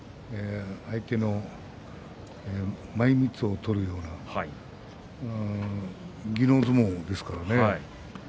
相手の前みつを取るような技能相撲ですからね。